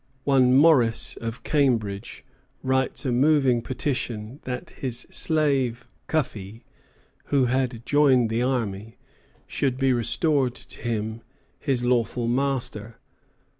One Morris, of Cambridge, writes a moving petition that his slave "Cuffee," who had joined the army, should be restored to him, his lawful master.